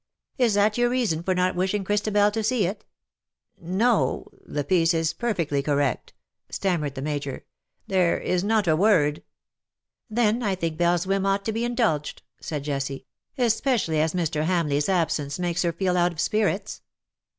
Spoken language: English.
" Is that your reason for not wishing Christabel to see it?" CUPID AND PSYCHE. 205 " No, the piece is perfectly correct/' stammered the Major, ^' there is not a word "" Then I think Belle's whim ought to be in dulged," said Jessie^ '^ especially as Mr. Hamleigh's absence makes her feel out of spirits."